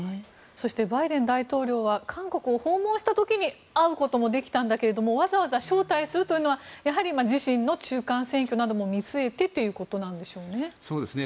そして、バイデン大統領は韓国を訪問した時に会うこともできたんだけどわざわざ招待するというのは自身の中間選挙なども見据えてということなんでしょうね。